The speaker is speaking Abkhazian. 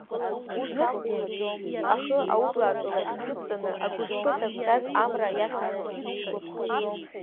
Зныхгьы ахы Аублаатәыла инкыдҵаны, агушԥы ӷьазӷьаз амра иаҭаны ицәоит.